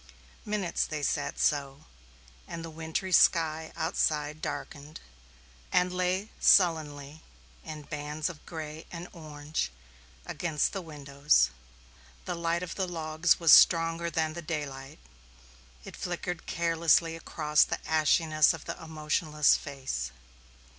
Minutes they sat so, and the wintry sky outside darkened and lay sullenly in bands of gray and orange against the windows; the light of the logs was stronger than the daylight; it flickered carelessly across the ashiness of the emotionless face.